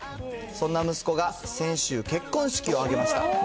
そんな息子が先週、結婚式を挙げました。